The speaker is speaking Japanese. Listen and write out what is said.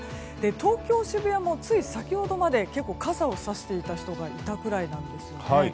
東京・渋谷もつい先ほどまで結構、傘をさしていた人がいたくらいなんですね。